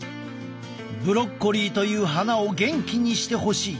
ブロッコリーという花を元気にしてほしい。